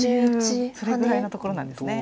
それぐらいのところなんですね。